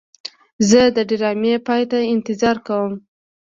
زه د ډرامې پای ته انتظار کوم.